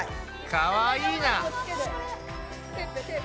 かわいいな！